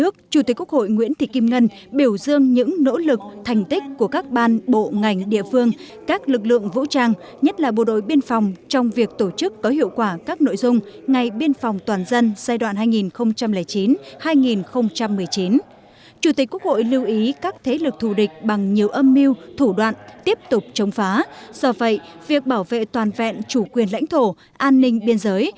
chủ tịch quốc hội nguyễn thị kim ngân đã đến sự hội nghị sơ kết và cặp mặt điển hình tiên tiến thực hiện ngày biên phòng tòa dân giai đoạn hai nghìn chín hai nghìn một mươi chín do bộ quốc phòng và ủy ban trung ương mặt trận tổ quốc việt nam